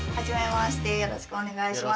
よろしくお願いします。